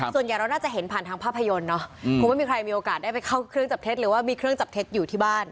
ส่วนใหญ่เราน่าจะเห็นผ่านทางภาพยนตร์เนาะคงไม่มีใครมีโอกาสได้ไปเข้าเครื่องจับเท็จหรือว่ามีเครื่องจับเท็จอยู่ที่บ้าน